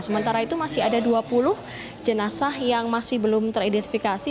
sementara itu masih ada dua puluh jenazah yang masih belum teridentifikasi